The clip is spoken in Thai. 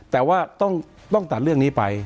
แต่ว่าต้องตัดเรื่องนี้ไป